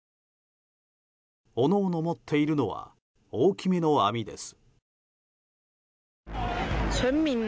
おのおの持っているのは大きめの網です。